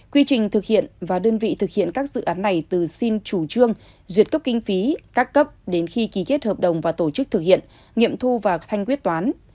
quy trình thực hiện và đơn vị thực hiện các dự án này từ xin chủ trương duyệt cấp kinh phí các cấp đến khi ký kết hợp đồng và tổ chức thực hiện nghiệm thu và thanh quyết toán